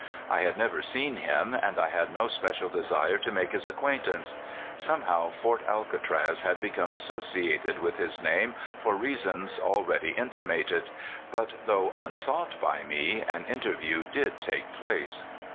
I had never seen him, and I had no special desire to make his acquaintance. Some A DAY. 241 how Fort Alcatraz had become associated with his name for reasons already intimated. But, though unsought by me, an interview did take place.